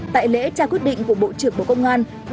tại lễ trao quyết định của bộ trưởng bộ công an